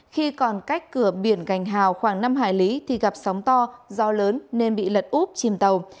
khi còn cách cửa biển gành hào khoảng năm hải lý thì gặp sóng to gió lớn nên bị lật úp chìm tàu